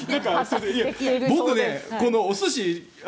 僕、このお寿司。